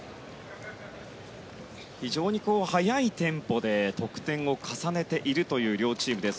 非常に速いテンポで得点を重ねているという両チームです。